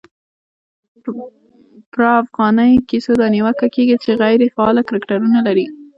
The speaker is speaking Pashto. پرا فغانۍ کیسو دا نیوکه کېږي، چي غیري فعاله کرکټرونه لري.